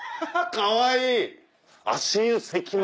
かわいい！